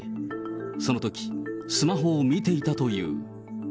そのとき、スマホを見ていたという。